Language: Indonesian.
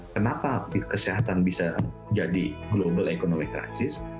kenapa kesehatan bisa jadi ekonomi global